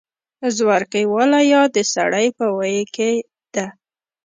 زورکۍ واله يا د سړۍ په ویي کې ده